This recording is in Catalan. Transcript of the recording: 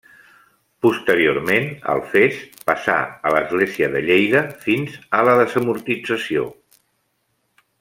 Posteriorment, Alfés passà a l'església de Lleida, fins a la desamortització.